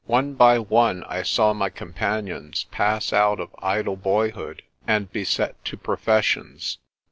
One by one I saw my companions pass out of idle boyhood and be set to professions.